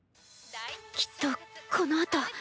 きっとこのあと。